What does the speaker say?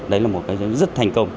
đấy là một cái rất thành công